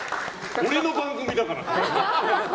俺の番組だから！